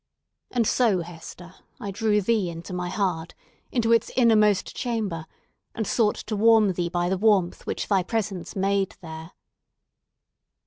And so, Hester, I drew thee into my heart, into its innermost chamber, and sought to warm thee by the warmth which thy presence made there!"